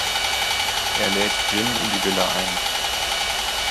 Er lädt Jim in die Villa ein.